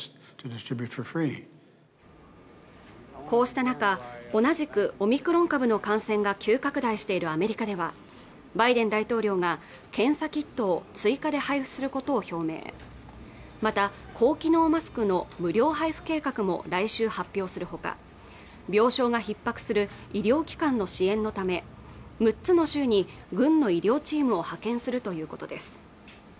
こうした中同じくオミクロン株の感染が急拡大しているアメリカではバイデン大統領が検査キットを追加で配布することを表明また高機能マスクの無料配布計画も来週発表するほか病床が逼迫する医療機関の支援のため６つの州に軍の医療チームを派遣するということです